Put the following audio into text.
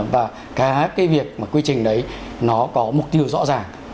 và cái việc mà quy trình đấy nó có mục tiêu rõ ràng